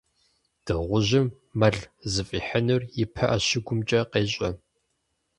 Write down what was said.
Дыгъужьым мэл зыфӏихьынур и пыӏэ щыгумкӏэ къещӏэ.